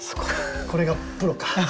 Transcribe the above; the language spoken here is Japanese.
これがプロか。